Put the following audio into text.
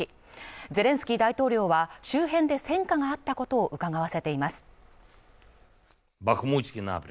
ゼレンスキー大統領は周辺で戦果があったことをうかがわせています。